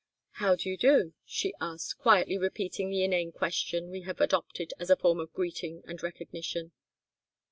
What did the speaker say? "How do you do?" she asked, quietly repeating the inane question we have adopted as a form of greeting and recognition.